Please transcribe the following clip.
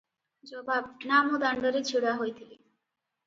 ଜବାବ - ନା ମୁଁ ଦାଣ୍ଡରେ ଛିଡା ହୋଇଥିଲି ।